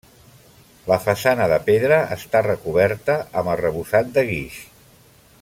La façana, de pedra, està recoberta amb arrebossat de guix.